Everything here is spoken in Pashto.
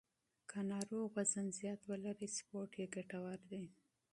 که ناروغ وزن زیات ولري، سپورت یې ګټور دی.